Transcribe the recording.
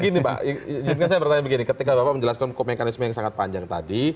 gini mbak saya bertanya begini ketika bapak menjelaskan mekanisme yang sangat panjang tadi